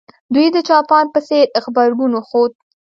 دوی د جاپان په څېر غبرګون وښود.